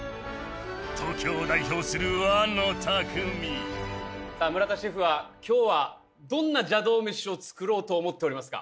東京を代表する和の匠さあ村田シェフは今日はどんな邪道メシを作ろうと思っておりますか？